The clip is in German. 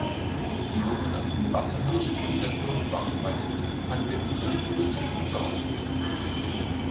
Die so genannten Bassena-Prozesse waren bei den Besuchern der Wiener Gerichte überaus beliebt.